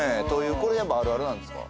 これあるあるなんですか？